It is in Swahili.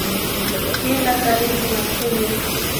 Kenda nkaribu na kumi